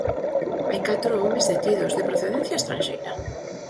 Hai catro homes detidos, de procedencia estranxeira.